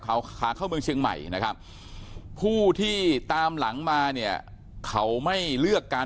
เขาขาเข้าเมืองเชียงใหม่นะครับผู้ที่ตามหลังมาเนี่ยเขาไม่เลือกการ